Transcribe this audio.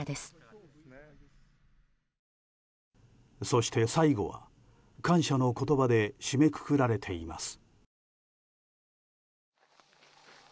そして、最後は感謝の言葉で締めくくられています。